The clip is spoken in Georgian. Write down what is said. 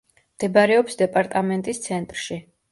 მდებარეობს დეპარტამენტის ცენტრში.